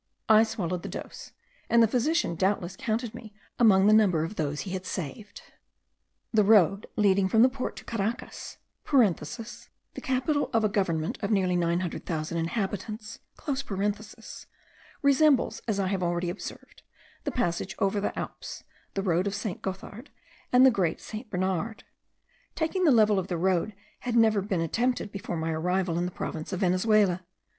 I swallowed the dose; and the physician doubtless counted me among the number of those he had saved. The road leading from the port to Caracas (the capital of a government of near 900,000 inhabitants) resembles, as I have already observed, the passage over the Alps, the road of St. Gothard, and of the Great St. Bernard. Taking the level of the road had never been attempted before my arrival in the province of Venezuela.